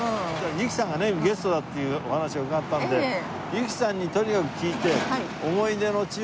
由紀さんがゲストだっていうお話を伺ったんで由紀さんにとにかく聞いて。